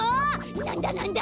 なんだなんだ？